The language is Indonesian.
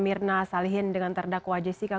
mirna salihin dengan terdakwa jessica